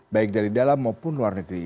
baik dari dalam maupun luar negeri